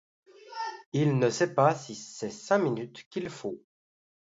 Il ne sait pas si c’est cinq minutes qu’il faut